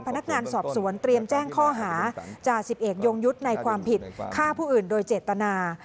พนักงานสอบสวนเตรียมแจ้งข้อหาจ่าสิบเอกยงยุทธ์ในความผิดฆ่าผู้อื่นโดยเจตนา